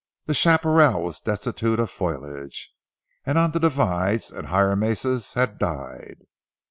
The chaparral was destitute of foliage, and on the divides and higher mesas, had died.